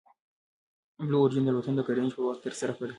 بلو اوریجن الوتنه د ګرینویچ پر وخت ترسره کړه.